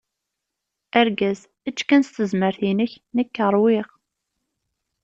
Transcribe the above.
Argaz: Ečč kan s tezmert-inek, nekk ṛwiγ.